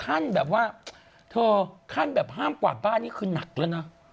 ขั้นแบบว่าโทรขั้นแบบห้ามกวาดบ้านี้คือนักแล้วนะ